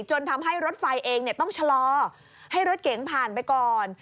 จนทำให้รถไฟเองต้องชะลอให้รถเก๋งผ่านไปก่อน